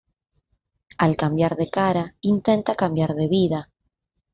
Al cambiar de cara, intenta cambiar de vida.